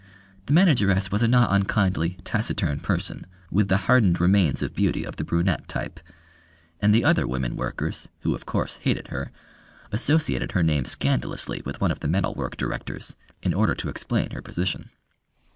The manageress was a not unkindly, taciturn person, with the hardened remains of beauty of the brunette type; and the other women workers, who of course hated her, associated her name scandalously with one of the metal work directors in order to explain her position.